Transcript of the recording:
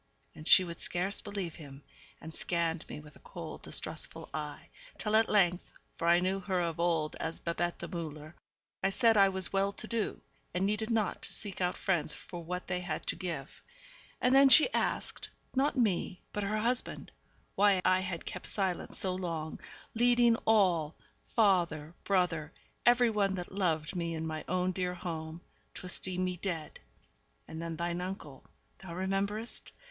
And she would scarce believe him, and scanned me with a cold, distrustful eye, till at length for I knew her of old as Babette Müller I said that I was well to do, and needed not to seek out friends for what they had to give. And then she asked not me, but her husband why I had kept silent so long, leading all father, brother, every one that loved me in my own dear home to esteem me dead. And then thine uncle (thou rememberest?)